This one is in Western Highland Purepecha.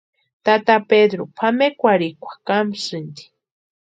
Tata Pedru pʼamekwarhikwa kámsïnti.